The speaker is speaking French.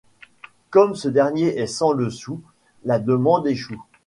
Comme ce dernier est sans le sou, la demande échoue.